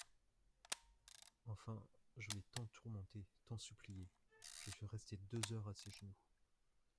Enfin je l'ai tant tourmenté, tant supplié, je suis restée deux heures à ses genoux.